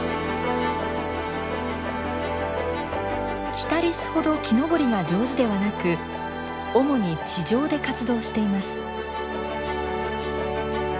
キタリスほど木登りが上手ではなく主に地上で活動しています。